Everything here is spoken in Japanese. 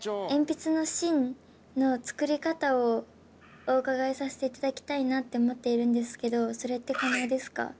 鉛筆の芯の作り方をお伺いさせていただきたいなって思っているんですけど、それって可能ですか？